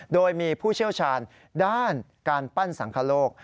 โดยมีผู้เชี่ยวชาญด้านการปั้นสังคโลก